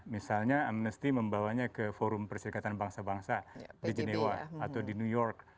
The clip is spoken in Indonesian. misalnya amnesty membawanya ke forum perserikatan bangsa bangsa di genewa atau di new york